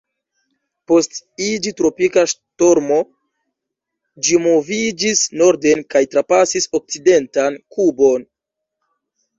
Post iĝi tropika ŝtormo, ĝi moviĝis norden kaj trapasis okcidentan Kubon.